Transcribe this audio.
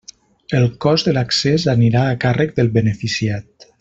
El cost de l'accés anirà a càrrec del beneficiat.